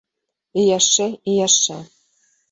І яшчэ і яшчэ.